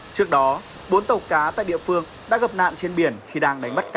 trước đó bốn tàu cá tại địa phương đã gặp nạn trên biển khi đang đánh bắt cá